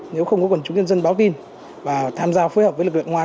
nếu không có quân chúng nhân dân báo tin và tham gia phối hợp với lực lượng công an